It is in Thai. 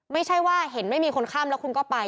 ไม่ใช่ว่าเห็นไม่มีคนข้ามแล้วคุณก็ไป